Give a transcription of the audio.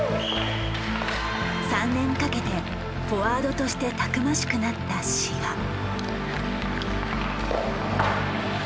３年かけてフォワードとしてたくましくなった志賀。